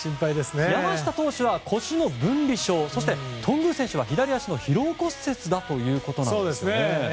山下投手は腰の分離症そして、頓宮選手は左足の疲労骨折ということです。